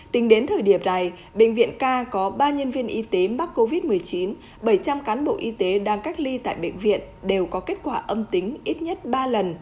tính đến thời điểm này bệnh viện k có ba nhân viên y tế mắc covid một mươi chín bảy trăm linh cán bộ y tế đang cách ly tại bệnh viện đều có kết quả âm tính ít nhất ba lần